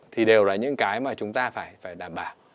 thì đều là những cái mà chúng ta phải đảm bảo